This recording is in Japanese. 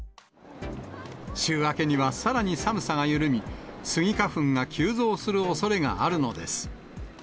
週明けにはさらに寒さが緩み、スギ花粉が急増するおそれがあるのです。